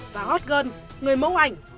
và hot girl người mẫu ảnh